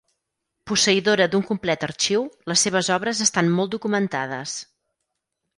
Posseïdora d'un complet arxiu, les seves obres estan molt documentades.